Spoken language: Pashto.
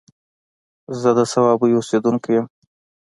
زه د صوابۍ اوسيدونکی يم